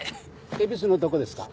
恵比寿のどこですか？